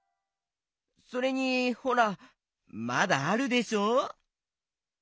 それにほらまだあるでしょ。